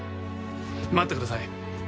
待ってください。